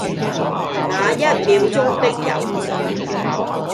那一秒鐘的猶豫